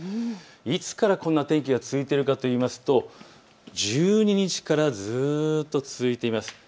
いつからこんな天気が続いているかというと１２日からずっと続いています。